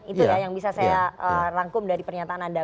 itu ya yang bisa saya rangkum dari pernyataan anda